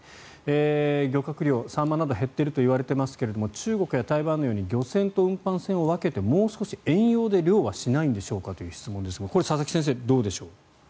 漁獲量、サンマなど減っているといわれていますが中国や台湾のように漁船と運搬船を分けてもう少し遠洋で漁はしないんですかという質問ですがこれ、佐々木先生どうでしょう。